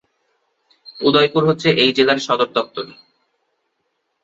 উদয়পুর হচ্ছে এই জেলার সদরদপ্তর।